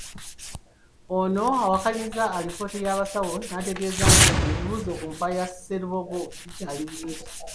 Ono awakanyizza alipoota y’abasawo n’ategeeza nti ebibuuzo ku nfa ya Sserubogo bikyali bingi.